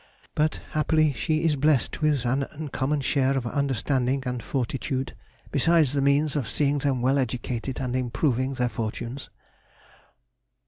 But, happily, she is blessed with an uncommon share of understanding and fortitude, besides the means of seeing them well educated and improving their fortunes.